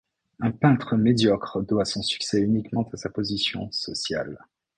Un peintre médiocre doit son succès uniquement à sa position sociale.